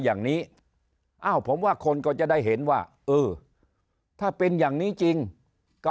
อย่างนี้อ้าวผมว่าคนก็จะได้เห็นว่าเออถ้าเป็นอย่างนี้จริงก็